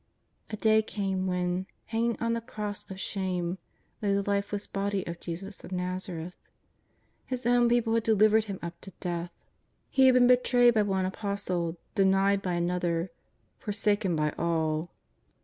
A day came when, hanging on the cross of shame, lay the lifeless body of Jesus of l^azareth. His own peo ple had delivered Him up to death. He had been be 9 * John iii. 6. 152 JESUS OF NAZARETH. trayed by one apostle, denied by another, forsaken by all.